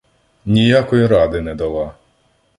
Ніякой ради не дала.